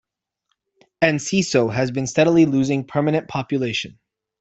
Enciso has been steadily losing permanent population.